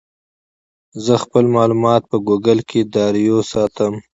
زه خپل معلومات په ګوګل ډرایو ساتم.